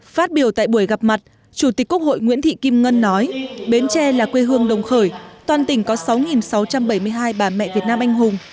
phát biểu tại buổi gặp mặt chủ tịch quốc hội nguyễn thị kim ngân nói bến tre là quê hương đồng khởi toàn tỉnh có sáu sáu trăm bảy mươi hai bà mẹ việt nam anh hùng